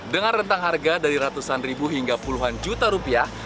dengan rentang harga dari ratusan ribu hingga puluhan juta rupiah